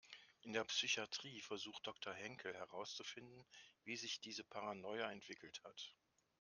In der Psychatrie versucht Doktor Henkel herauszufinden, wie sich diese Paranoia entwickelt hat.